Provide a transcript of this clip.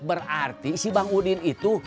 berarti si bang udin itu